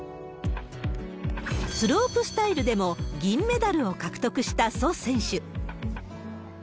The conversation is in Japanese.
スロープスタイルでも銀メダルを獲得した蘇選手。